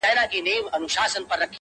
• نوي کورونه جوړ سوي دلته ډېر,